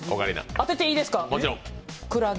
当てていいですか、くらげ。